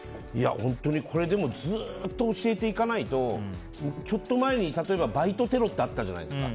これをずっと教えていかないとちょっと前に例えばバイトテロってあったじゃないですか。